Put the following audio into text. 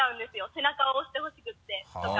背中を押してほしくってとか。